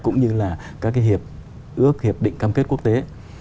cũng như là các cái hiệp ước hiệp định cam kết quốc tế